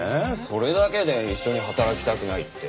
それだけで一緒に働きたくないって。